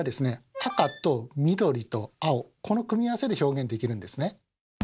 赤と緑と青この組み合わせで表現できるんですね。